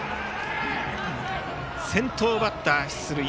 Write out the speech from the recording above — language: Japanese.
先頭バッター出塁。